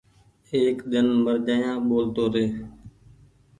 ايڪ ۮن مر جآيآ ٻولتو ري ۔